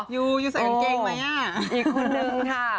ยูยูใส่กางเกงไหมอ่ะอีกคนนึงค่ะ